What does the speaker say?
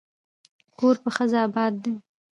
کور په ښځه اباد دی.